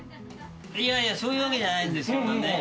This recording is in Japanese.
いやいや、そういうわけじゃないんですけどね。